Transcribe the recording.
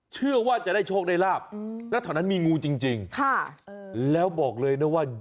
เชื่อว่าจะได้โชคได้ลาบแล้วแถวนั้นมีงูจริงแล้วบอกเลยนะว่า